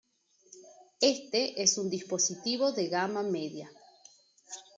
Este es un dispositivo de gama media.